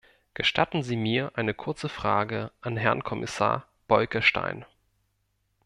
Gestatten Sie mir eine kurze Frage an Herrn Kommissar Bolkestein.